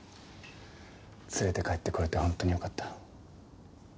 連れて帰ってこられて本当によかった。